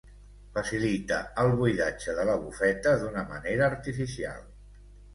Facilita el buidatge de la bufeta d'una manera artificial.